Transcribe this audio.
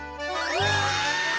うわ！